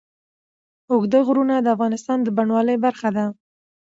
اوږده غرونه د افغانستان د بڼوالۍ برخه ده.